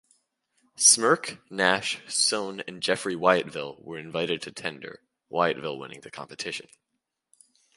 Smirke, Nash, Soane and Jeffry Wyatville were invited to tender, Wyatville winning the competition.